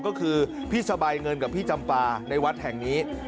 ก็คือพี่สบายเงินกับพี่จำปาในวัดแห่งนี้